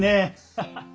ハハハッ！